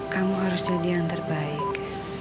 kamu harus jadi yang terbaik